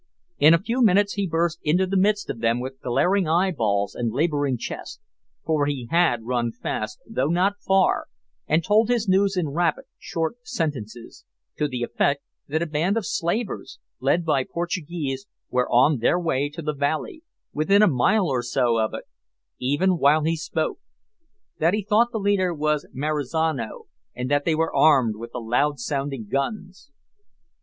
In a few minutes he burst into the midst of them with glaring eyeballs and labouring chest for he had run fast, though not far, and told his news in rapid short sentences to the effect that a band of slavers, led by Portuguese, were on their way to the valley, within a mile or so of it, even while he spoke; that he thought the leader was Marizano; and that they were armed with the loud sounding guns!